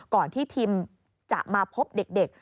ก่อนที่ทีมจะมาพบเด็ก